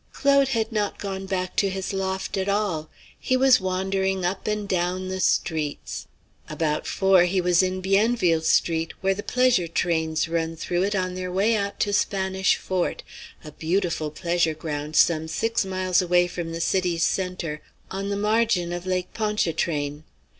Claude had not gone back to his loft at all. He was wandering up and down the streets. About four he was in Bienville Street, where the pleasure trains run through it on their way out to Spanish Fort, a beautiful pleasure ground some six miles away from the city's centre, on the margin of Lake Pontchartrain.